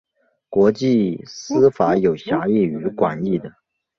国际私法有狭义与广义的。